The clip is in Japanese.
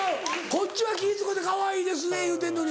こっちは気ぃ使うて「かわいいですね」言うてんのに。